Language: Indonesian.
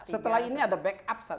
setelah ini ada backup